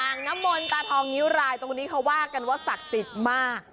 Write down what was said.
งน้ำมนตาทองนิ้วรายตรงนี้เขาว่ากันว่าศักดิ์สิทธิ์มาก